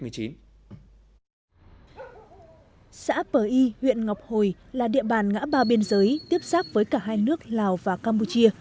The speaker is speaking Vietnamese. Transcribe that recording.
xã bờ y huyện ngọc hồi là địa bàn ngã ba biên giới tiếp xác với cả hai nước lào và campuchia